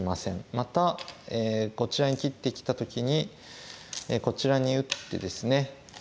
またこちらに切ってきた時にこちらに打ってですね。